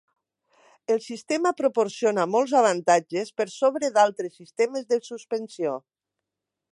El sistema proporciona molts avantatges per sobre d'altres sistemes de suspensió.